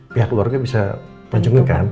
pihak keluarga bisa kunjungan kan